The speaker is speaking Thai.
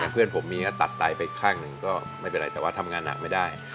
เพื่อนผมเมียก็ตัดไตไปข้างหนึ่งก็ไม่เป็นไรแต่ว่าทำงานหนักไม่ได้